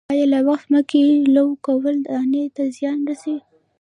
آیا له وخت مخکې لو کول دانې ته زیان رسوي؟